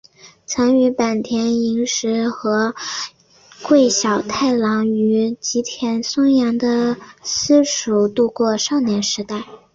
曾与坂田银时和桂小太郎于吉田松阳的私塾度过少年时代。